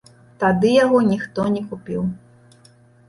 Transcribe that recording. Тады яго ніхто не купіў.